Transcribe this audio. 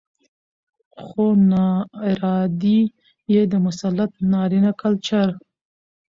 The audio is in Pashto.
؛ خو ناارادي يې د مسلط نارينه کلچر